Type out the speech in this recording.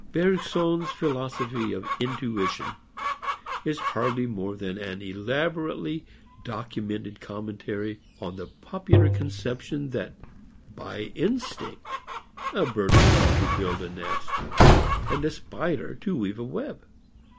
Bergson's philosophy of intuition is hardly more than an elaborately documented commentary on the popular conception that by instinct a bird knows how to build a nest and a spider to weave a web.